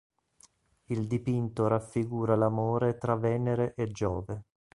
Il dipinto raffigura l'amore tra Venere e Giove.